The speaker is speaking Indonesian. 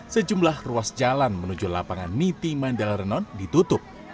sejumlah ruas jalan menuju lapangan niti mandala renon ditutup